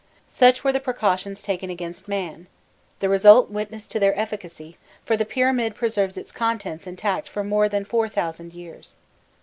Such were the precautions taken against man: the result witnessed to their efficacy, for the pyramid preserved its contents intact for more than four thousand years.